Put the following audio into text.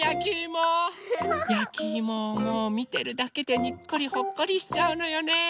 やきいもをもうみてるだけでにっこりほっこりしちゃうのよね。